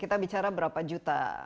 kita bicara berapa juta